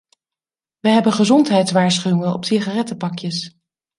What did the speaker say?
We hebben gezondheidswaarschuwingen op sigarettenpakjes.